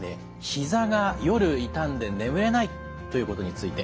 ひざが夜痛んで眠れないということについて。